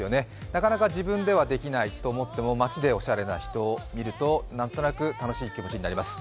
なかなか自分ではできないと思っても街でおしゃれな人を見ると何となく楽しい気持ちになります。